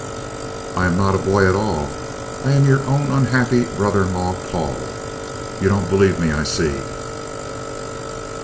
"I'm not a boy at all I'm your own unhappy brother in law, Paul! You don't believe me, I see."